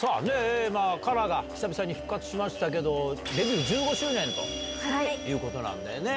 ＫＡＲＡが久々に復活しましたけど、デビュー１５周年ということなんですよね。